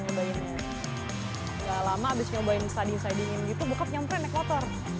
gak lama abis nyobain study study gitu bokap nyamperin naik motor